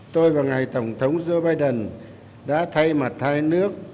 tôi và ngài tổng thống joe biden đã thay mặt hai nước